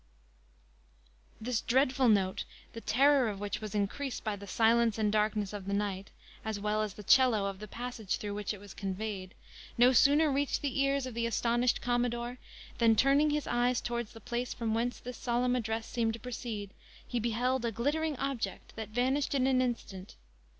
This dreadful note, the terror of which was increased by the silence and darkness of the night, as well as the cello of the passage through which it was conveyed, no sooner reached the ears of the astonished commodore, than turning his eyes towards the place from whence this solemn address seemed to proceed, he beheld a glittering object that vanished in an instant.